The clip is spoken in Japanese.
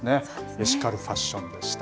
エシカルファッションでした。